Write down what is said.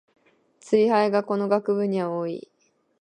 ツイ廃がこの学部には多い